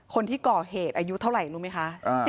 คนที่ก่อเหตุอายุเท่าไหร่รู้ไหมคะ